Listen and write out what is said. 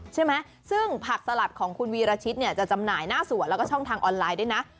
ใช่ไหมซึ่งผักสลัดของคุณวีรชิตเนี่ยจะจำหน่ายหน้าสวนแล้วก็ช่องทางออนไลน์ด้วยนะ